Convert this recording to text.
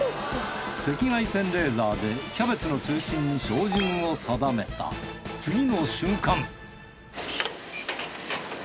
赤外線レーダーでキャベツの中心に標準を定めた次の瞬間！